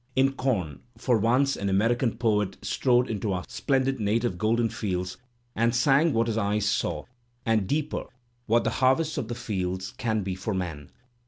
/ In "Com*' for once an American poet strode into our splen did native golden fields and sang what his eyes saw, and deeper, what the harvests of the fields can be for man.